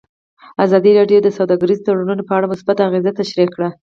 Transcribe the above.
ازادي راډیو د سوداګریز تړونونه په اړه مثبت اغېزې تشریح کړي.